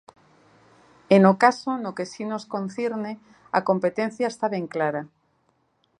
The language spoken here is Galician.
E no caso no que si nos concirne, a competencia está ben clara.